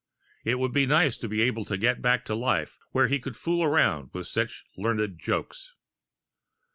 It would be nice to be able to get back to a life where he could fool around with such learned jokes.